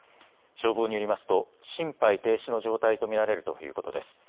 消防によりますと心肺停止の状態と見られるということです。